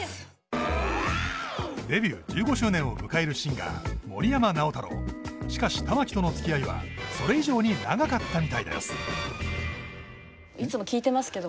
デビュー１５周年を迎えるシンガーしかし玉置とのつきあいはそれ以上に長かったみたいです。